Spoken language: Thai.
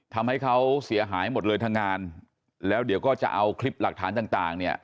ทำให้เขาเสียหายหมดเลยทางงานแล้วเดี๋ยวก็จะเอาคลิปหลักฐานต่างเนี่ย